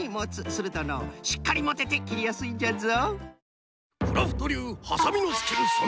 するとのうしっかりもてて切りやすいんじゃぞ。